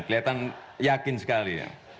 kelihatan yakin sekali ya